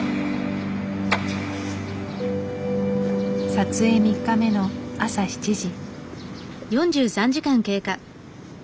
撮影３日目の朝７時。